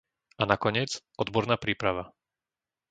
A nakoniec, odborná príprava.